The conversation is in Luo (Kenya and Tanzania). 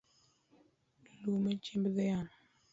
Lum en chiemb dhiang’